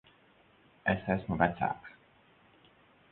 Es esmu vecāks.